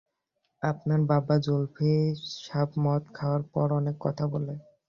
আপনার বাবা জুলফি সাব মদ খাওয়ার পর অনেক কথা বলে।